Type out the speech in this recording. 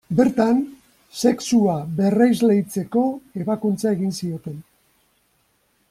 Bertan, sexua berresleitzeko ebakuntza egin zioten.